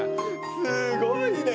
すごいね！